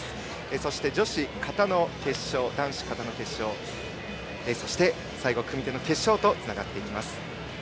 そして女子形の決勝男子形の決勝そして最後、組手の決勝へとつながっていきます。